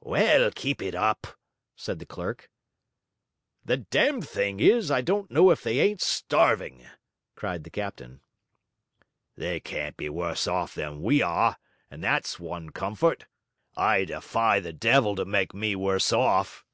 'Well, keep it up!' said the clerk. 'The damned thing is, I don't know if they ain't starving!' cried the captain. 'They can't be worse off than we are, and that's one comfort,' returned the clerk. 'I defy the devil to make me worse off.'